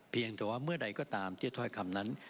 เพียงแต่ว่าเมื่อใดก็ตามที่ถ้อยคำนั้น